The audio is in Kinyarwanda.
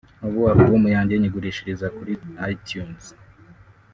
ubu album yanjye nyigurishiriza kuri itunes